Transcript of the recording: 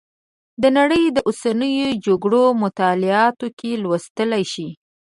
د نړۍ د اوسنیو جګړو مطالعاتو کې لوستلی شئ.